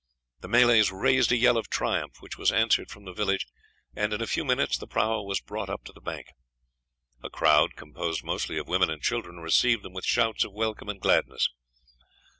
The Malays raised a yell of triumph, which was answered from the village, and in a few minutes the prahu was brought up to the bank. A crowd, composed mostly of women and children, received them with shouts of welcome and gladness.